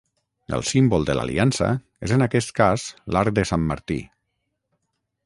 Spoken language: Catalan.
El símbol de l'aliança és en aquest cas l'arc de Sant Martí.